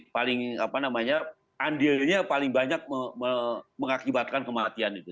paling apa namanya andilnya paling banyak mengakibatkan kematian itu